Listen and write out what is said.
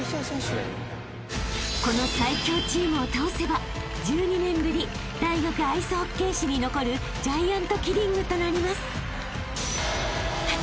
［この最強チームを倒せば１２年ぶり大学アイスホッケー史に残るジャイアントキリングとなります］